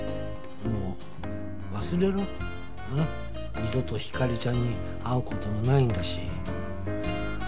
二度とひかりちゃんに会う事もないんだし。